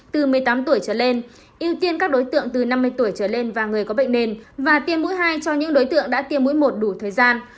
từ một mươi tám tuổi trở lên ưu tiên các đối tượng từ năm mươi tuổi trở lên và người có bệnh nền và tiêm mũi hai cho những đối tượng đã tiêm mũi một đủ thời gian